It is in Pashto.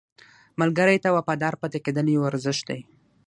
ملګری ته وفادار پاتې کېدل یو ارزښت دی